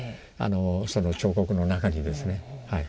その彫刻の中にですね。